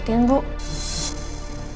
aku bisa jadi orangnya